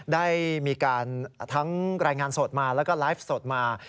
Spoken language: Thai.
ได้มีการทั้งรายงานสดมาแล้วก็ไลฟ์สดมา